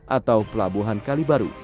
atau pelabuhan kalibaru